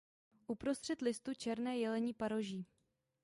Uprostřed listu černé jelení paroží.